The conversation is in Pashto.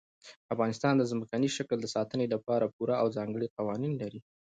افغانستان د ځمکني شکل د ساتنې لپاره پوره او ځانګړي قوانین لري.